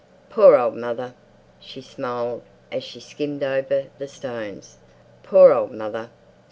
Poor old mother, she smiled, as she skimmed over the stones. Poor old mother!